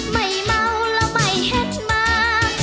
ไม่เมาแล้วไม่เห็ดมา